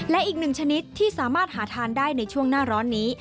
และอีกหนึ่งชนิดที่สามารถหาทานได้ในช่วงหน้าร้อนนี้